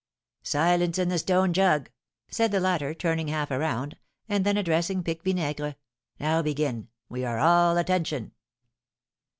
"Silence in the stone jug!" said the latter, turning half around; and then addressing Pique Vinaigre, "Now, begin; we are all attention!"